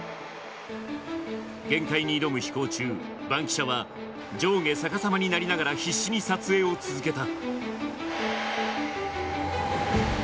限界に挑む飛行中、バンキシャは上下逆さまになりながら必死に撮影を続けた。